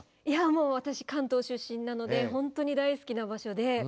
いやもう私は関東出身なので本当に大好きな場所で。